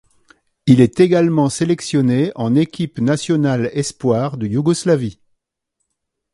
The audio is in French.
Il est également sélectionné en équipe nationale espoir de Yougoslavie.